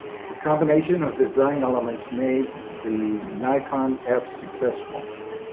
A combination of design elements made the Nikon F successful.